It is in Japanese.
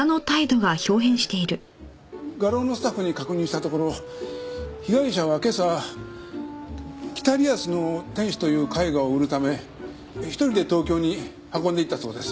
えー画廊のスタッフに確認したところ被害者は今朝『北リアスの天使』という絵画を売るため１人で東京に運んでいったそうです。